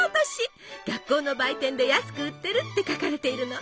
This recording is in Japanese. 学校の売店で安く売ってるって書かれているの。